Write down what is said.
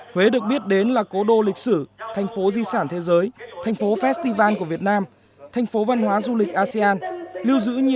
huế được biết đến là cố đô lịch sử thành phố di sản thế giới thành phố festival của việt nam thành phố văn hóa du lịch asean